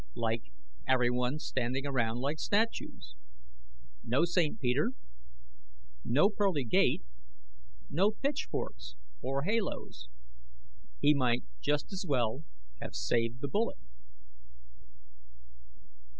Like everyone standing around like statues. No St. Peter, no pearly gate, no pitchforks or halos. He might just as well have saved the bullet!